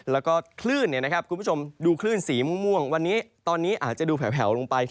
แล้วก็คลื่นคุณผู้ชมดูคลื่นสีม่วงวันนี้ตอนนี้อาจจะดูแผลวลงไป